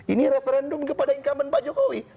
ini referendum kepada incumbent pak jokowi